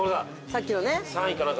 さっきのね。